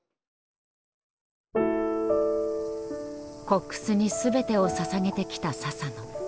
コックスに全てをささげてきた佐々野。